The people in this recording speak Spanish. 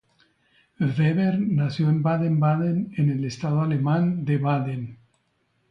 Weber nació en Baden-Baden, en el estado alemán de Baden.